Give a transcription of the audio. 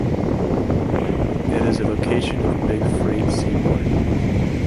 It is a location of a big freight seaport.